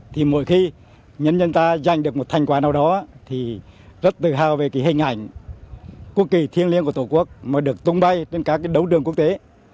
thì mỗi khi nhân dân ta giành được một thành quả nào đó thì rất tự hào về cái hình ảnh quốc kỳ thiêng liêng của tổ quốc mà được tung bay trên các cái đấu đường quốc tế